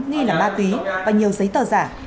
nghi là ma túy và nhiều giấy tờ giả